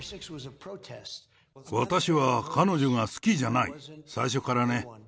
私は彼女が好きじゃない、最初からね。